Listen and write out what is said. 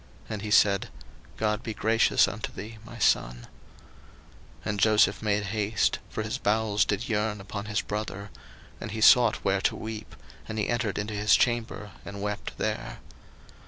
And he said, God be gracious unto thee, my son. 01:043:030 And Joseph made haste; for his bowels did yearn upon his brother: and he sought where to weep; and he entered into his chamber, and wept there.